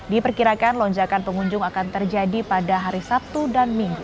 diperkirakan lonjakan pengunjung akan terjadi pada hari sabtu dan minggu